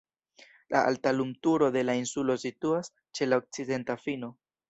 La alta lumturo de la insulo situas ĉe la okcidenta fino.